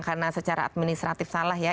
karena secara administratif salah ya